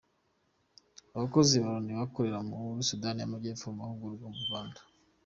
Abakozi ba Loni bakorera muri Sudani y’Amajyepfo mu mahugurwa mu Rwanda